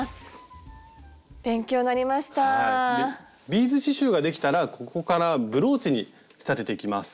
ビーズ刺しゅうができたらここからブローチに仕立てていきます。